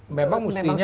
memang sudah makan gitu